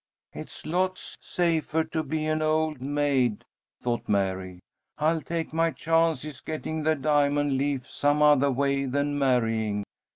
"It's lots safer to be an old maid," thought Mary. "I'll take my chances getting the diamond leaf some other way than marrying.